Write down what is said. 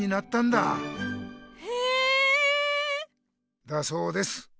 だそうです。